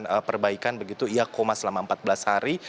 dan perbaikan begitu iya koma selama empat belas hari